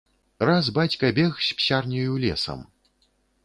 Раз бацька бег з псярняю лесам.